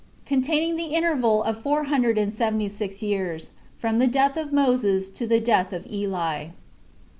Containing The Interval Of Four Hundred And Seventy Six Years.From The Death Of Moses To The Death Of Eli.